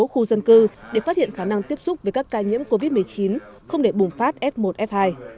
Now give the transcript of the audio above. khu dân cư để phát hiện khả năng tiếp xúc với các ca nhiễm covid một mươi chín không để bùng phát f một f hai